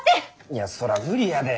いやそら無理やで。